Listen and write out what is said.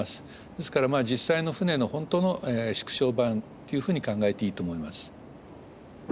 ですから実際の船の本当の縮小版というふうに考えていいと思います。